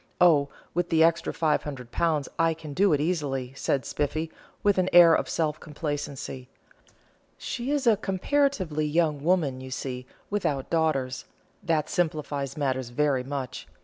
Oh, with the extra £500 I can do it easily," said Spiffy, with an air of self complacency. "She is a comparatively young woman, you see, without daughters; that simplifies matters very much.